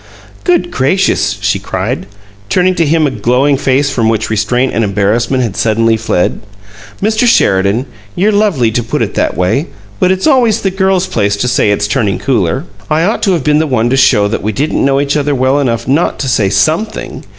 "Good gracious!" she cried, turning to him a glowing face from which restraint and embarrassment had suddenly fled. "Mr. Sheridan, you're lovely to put it that way. But it's always the girl's place to say it's turning cooler! I ought to have been the one to show that we didn't know each other well enough not to say SOMETHING!